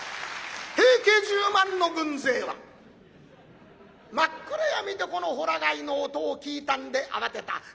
平家１０万の軍勢は真っ暗闇でこのほら貝の音を聞いたんで慌てた。